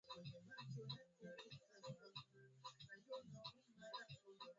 Wanyama wakati mwingine kutafuta kivuli ni dalili ya ugonjwa wa ndorobo